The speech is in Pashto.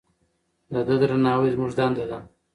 د ده درناوی زموږ دنده ده.